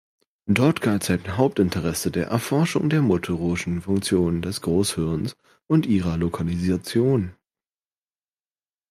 Dort galt sein Hauptinteresse der Erforschung der motorischen Funktionen des Großhirns und ihrer Lokalisation.